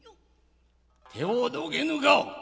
手をどけぬか！